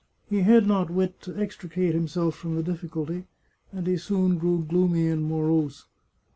He had not wit to extricate himself from the difficulty, and he soon grew gloomy and morose.